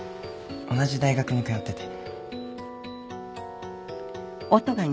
同じ大学に通ってて。